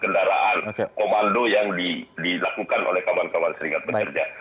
kemudian saya berkata kami berjanji untuk memperjuangkan komando yang dilakukan oleh kawan kawan seringat bekerja